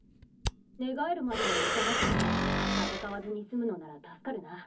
寝返るまではいかなくとも戦わずに済むのなら助かるな。